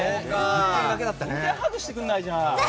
全然ハグしてくれないじゃん！